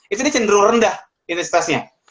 itu dia cenderung rendah intensitasnya